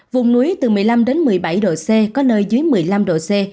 vùng núi từ một mươi năm một mươi bảy độ c có nơi dưới một mươi năm độ c